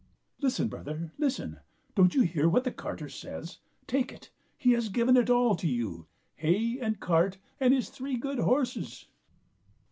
" Listen, brother, listen ! Don't you hear what the carter says ? Take it ; he has given it all to you, hay and cart and his three good horses.'